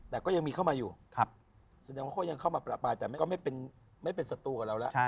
แต่ก็ยังมีเข้ามาอยู่แสดงว่าเขายังเข้ามาประปายแต่ไม่เป็นศัตรูกับเราแล้ว